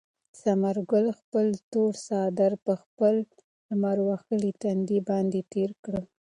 ثمر ګل خپل تور څادر په خپل لمر وهلي تندي باندې تېر کړ.